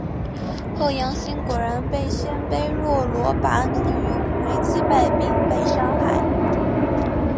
后杨欣果然被鲜卑若罗拔能于武威击败并被杀害。